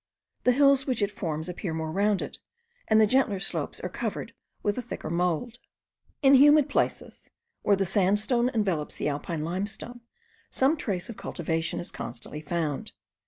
The hills which it forms appear more rounded, and the gentler slopes are covered with a thicker mould. In humid places, where the sandstone envelopes the Alpine limestone, some trace of cultivation is constantly found.